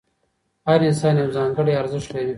هر انسان یو ځانګړی ارزښت لري.